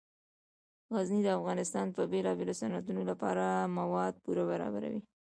غزني د افغانستان د بیلابیلو صنعتونو لپاره مواد پوره برابروي.